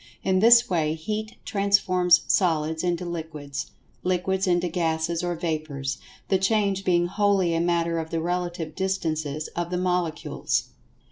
In this way Heat transforms Solids into Liquids; Liquids into Gases or Vapors, the change being wholly a matter of the relative distances of the Molecules.